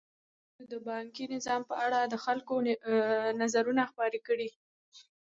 ازادي راډیو د بانکي نظام په اړه د خلکو نظرونه خپاره کړي.